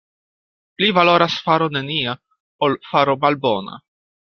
Pli valoras faro nenia, ol faro malbona.